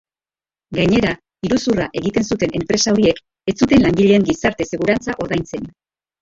Gainera, iruzurra egiten zuten enpresa horiek ez zuten langileen gizarte segurantza ordaintzen.